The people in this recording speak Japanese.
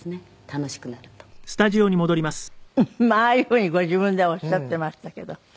楽しくなると」ああいうふうにご自分でもおっしゃっていましたけど。